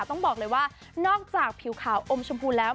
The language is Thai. ต้องบอกเลยว่านอกจากผิวขาวอมชมพูแล้ว